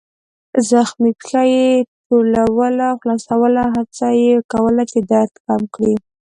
زخمي پښه يې ټولول او خلاصول، هڅه یې کوله چې درد کم کړي.